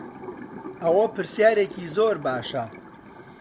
ئەوە پرسیارێکی زۆر باشە.